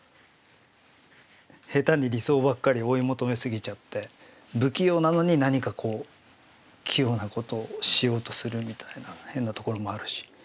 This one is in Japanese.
下手に理想ばっかり追い求め過ぎちゃって不器用なのに何かこう器用なことをしようとするみたいな変なところもあるし。